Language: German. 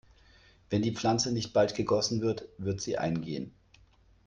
Wenn die Pflanze nicht bald gegossen wird, wird sie eingehen.